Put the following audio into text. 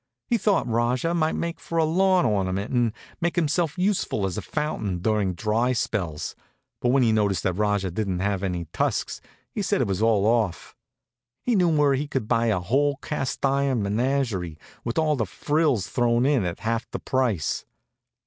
He thought Rajah might do for a lawn ornament and make himself useful as a fountain during dry spells, but when he noticed that Rajah didn't have any tusks he said it was all off. He knew where he could buy a whole cast iron menagerie, with all the frills thrown in, at half the price.